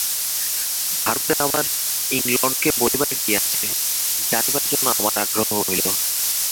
ভারতের আবার ইংলণ্ডকে বলিবার কি আছে, জানিবার জন্য আমার আগ্রহ হইল।